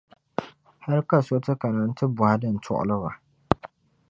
hal ka so ti kana n-ti bɔhi din tuɣili ba.